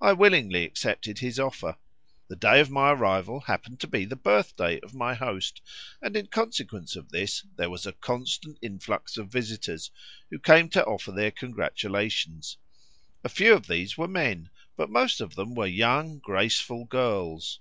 I willingly accepted his offer. The day of my arrival happened to be the birthday of my host, and in consequence of this there was a constant influx of visitors, who came to offer their congratulations. A few of these were men, but most of them were young, graceful girls.